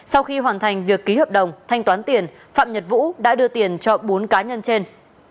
sau khi hoàn thành việc ký hợp đồng thanh toán tiền phạm nhật vũ đã đưa tiền cho bốn cá nhân trên